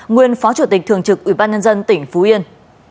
nguyên phó chủ tịch thường trực ủy ban nhân dân tỉnh phú yên